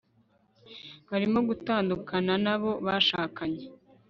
barimo gutandukana n'abo bashakanye